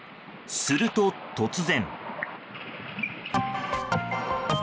すると突然。